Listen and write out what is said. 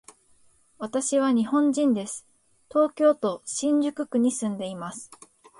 私は日本人です。東京都新宿区に住んでいます。